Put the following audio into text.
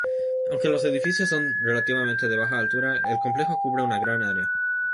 Aunque los edificios son relativamente de baja altura, el complejo cubre una gran área.